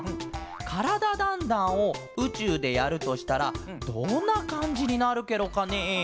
「からだ☆ダンダン」をうちゅうでやるとしたらどんなかんじになるケロかねえ？